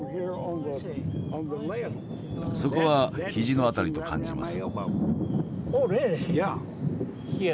そこはひじの辺りと感じます。